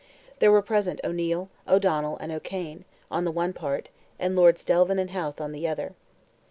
There were present O'Neil, O'Donnell, and O'Cane, on the one part, and Lords Delvin and Howth on the other.